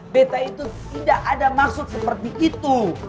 beta itu tidak ada maksud seperti itu